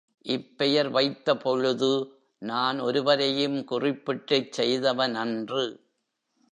இப்பெயர் வைத்தபொழுது நான் ஒருவரையும் குறிப்பிட்டுச் செய்தவனன்று.